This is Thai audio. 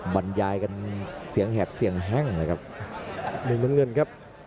บรรยายกันเสียงแหบเสียงแห้งเลยครับมุมน้ำเงินครับ